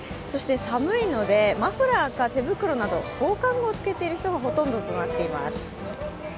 寒いのでマフラーか手袋など防寒具をつけている人がほとんどとなっています。